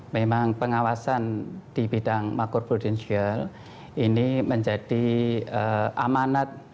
memang pengawasan di bidang makro prudensial ini menjadi amanat